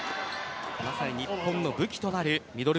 まさに日本の武器となるミドル